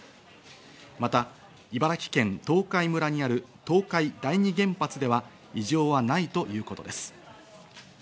また、茨城県東海村にある東海第二原発では異常はないということです。